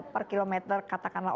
per kilometer katakanlah